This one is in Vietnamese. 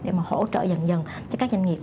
để mà hỗ trợ dần dần cho các doanh nghiệp